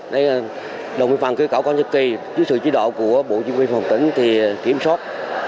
đây là đồng viên phòng cứu cảo con dịch kỳ dưới sự chế độ của bộ chính quyền phòng tỉnh thì kiểm soát